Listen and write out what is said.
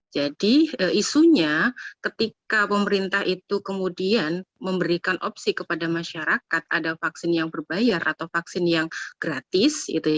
jadi isunya ketika pemerintah itu kemudian memberikan opsi kepada masyarakat ada vaksin yang berbayar atau vaksin yang gratis